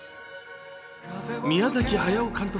宮崎駿監督